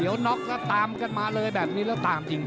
ยังบอกท่านใหม่ท่านมันมาละขยับ